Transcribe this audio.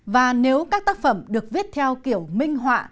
và nếu các tác phẩm được viết theo kiểu minh họa